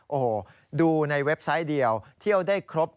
โอ้โหดูในเว็บไซต์เดียวเที่ยวได้ครบ